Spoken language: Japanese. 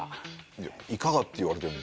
いやいかがって言われても。